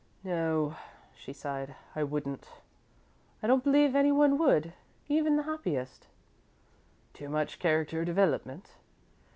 "No," she sighed, "I wouldn't. I don't believe anyone would, even the happiest." "Too much character development?"